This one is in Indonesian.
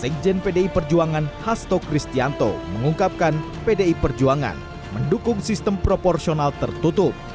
keputusan kpu yang ditutup